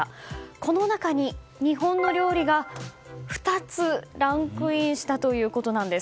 この中に、日本の料理が２つ、ランクインしたということなんです。